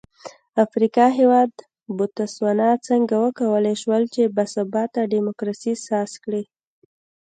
افریقايي هېواد بوتسوانا څنګه وکولای شول چې با ثباته ډیموکراسي ساز کړي.